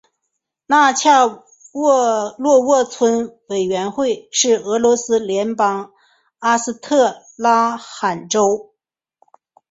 纳恰洛沃村委员会是俄罗斯联邦阿斯特拉罕州普里沃尔日耶区所属的一个村委员会。